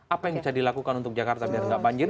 apa yang bisa dilakukan untuk jakarta biar nggak banjir